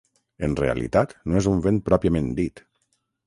En realitat no és un vent pròpiament dit.